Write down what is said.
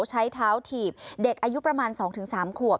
ใช้เท้าถีบเด็กอายุประมาณ๒๓ขวบ